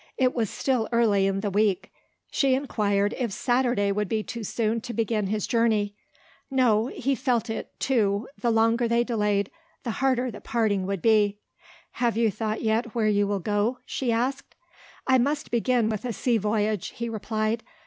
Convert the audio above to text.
It was still early in the week. She inquired if Saturday would be too soon to begin his journey. No: he felt it, too the longer they delayed, the harder the parting would be. "Have you thought yet where you will go?" she asked. "I must begin with a sea voyage," he replied.